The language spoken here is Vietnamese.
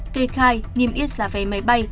kê khai nghiêm yết giá vé máy bay